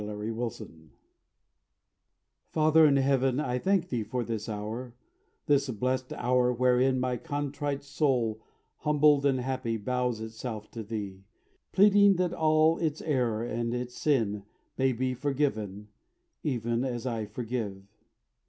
FORGIVENESS Father in Heaven, I thank Thee for this hour, This blessed hour wherein my contrite soul Humbled and happy bows itself to Thee, Pleading that all its error and its sin May be forgiven even as I forgive.